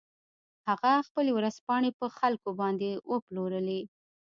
هغه خپلې ورځپاڼې په خلکو باندې وپلورلې.